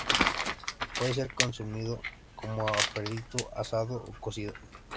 Puede ser consumido como aperitivo, asado o cocido.